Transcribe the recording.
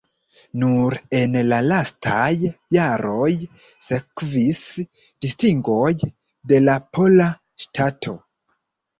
Nur en la lastaj jaroj sekvis distingoj de la pola ŝtato.